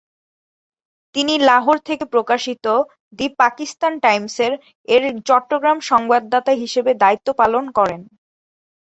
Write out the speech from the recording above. তিনি লাহোর থেকে প্রকাশিত "‘দি পাকিস্তান টাইমসের’" এর চট্টগ্রাম সংবাদদাতা হিসেবে দায়িত্ব পালন করেন।